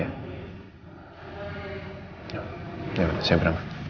kalau kita sudah bersama